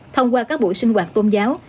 thông qua các buổi sinh hoạt tôn giáo